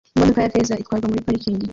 Imodoka ya feza itwarwa muri parikingi